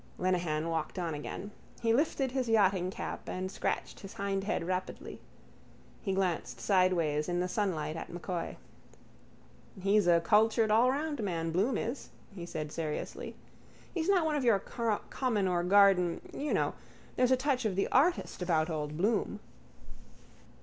Lenehan walked on again. He lifted his yachtingcap and scratched his hindhead rapidly. He glanced sideways in the sunlight at M'Coy. —He's a cultured allroundman, Bloom is, he said seriously. He's not one of your common or garden... you know... There's a touch of the artist about old Bloom.